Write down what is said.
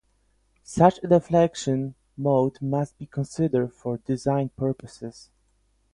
Such a deflection mode must be considered for design purposes.